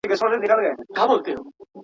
د زیږون کچه ولي محاسبه کیږي؟